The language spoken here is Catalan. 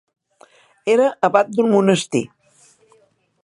Era abat d'un monestir.